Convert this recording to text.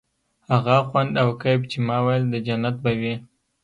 هغه خوند او کيف چې ما ويل د جنت به وي.